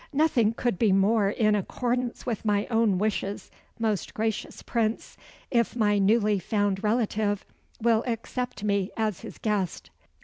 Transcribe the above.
"Nothing could be more in accordance with my own wishes, most gracious Prince, if my newly found relative will accept me as his guest."